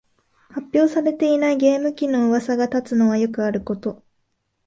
発表されていないゲーム機のうわさが立つのはよくあること